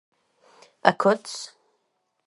A Kàtz